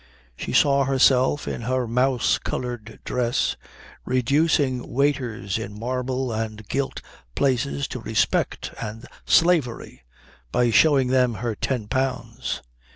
She saw herself in her mouse coloured dress reducing waiters in marble and gilt places to respect and slavery by showing them her ten pounds.